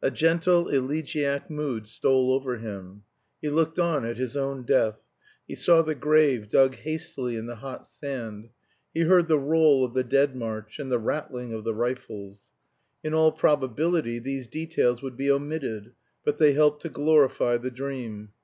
A gentle elegiac mood stole over him. He looked on at his own death; he saw the grave dug hastily in the hot sand; he heard the roll of the Dead March, and the rattling of the rifles. In all probability these details would be omitted, but they helped to glorify the dream.